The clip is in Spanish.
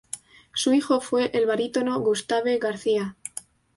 Su hijo fue el barítono Gustave García.